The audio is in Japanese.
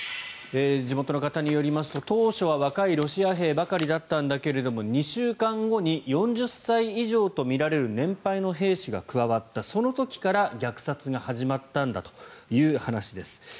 地元の方によりますと当初は若いロシア兵ばかりだったんだけれども２週間後に４０歳以上とみられる年配の兵士が加わったその時から虐殺が始まったんだという話です。